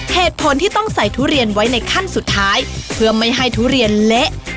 เหตุผลที่ต้องใส่ทุเรียนไว้ในขั้นสุดท้ายเพื่อไม่ให้ทุเรียนเละ